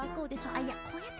いやこうやって。